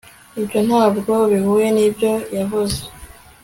Ibyo ntabwo bihuye nibyo yavuze